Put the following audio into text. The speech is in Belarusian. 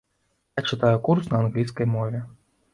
Я чытаю курс на англійскай мове.